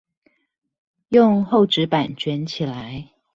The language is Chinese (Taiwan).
用厚紙板捲起來